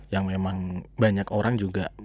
yang memang banyak orang juga